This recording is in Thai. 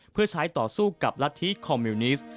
เพื่อใช้ต่อสู้กับรัฐธิคอมมิวนิสต์